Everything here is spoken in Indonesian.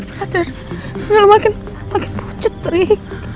sadar bener lo makin pucet rik